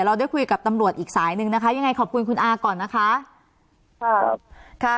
เราได้คุยกับตำรวจอีกสายหนึ่งอย่างไรขอบคุณคุณอาก่อนนะคะ